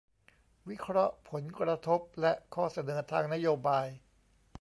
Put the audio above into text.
วิเคราะห์ผลกระทบ และข้อเสนอทางนโยบาย